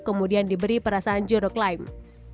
kemudian diberi perasaan jerok lime